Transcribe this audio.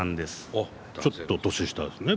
ちょっと年下ですね。